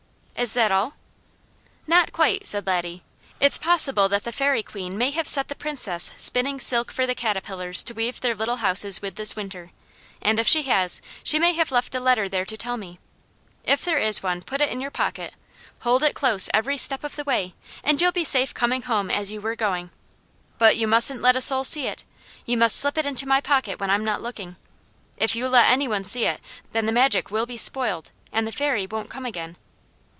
"Is that all?" "Not quite," said Laddie. "It's possible that the Fairy Queen may have set the Princess spinning silk for the caterpillars to weave their little houses with this winter; and if she has, she may have left a letter there to tell me. If there is one, put it in your pocket, hold it close every step of the way, and you'll be safe coming home as you were going. But you mustn't let a soul see it; you must slip it into my pocket when I'm not looking. If you let any one see, then the Magic will be spoiled, and the Fairy won't come again."